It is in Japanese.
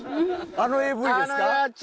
あのＡＶですか？